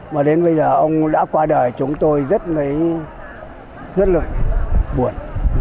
mà đến bây giờ ông đã qua đời chúng tôi rất là buồn